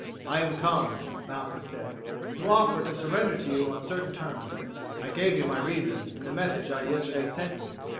"I am come," Malchus said, "to offer to surrender to you on certain terms. I gave you my reasons in the message I yesterday sent you.